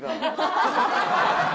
ハハハハ！